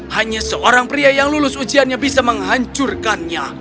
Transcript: hanya seorang pria yang lulus ujiannya bisa menghancurkannya